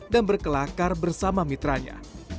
dan berkelakar bersama mitranya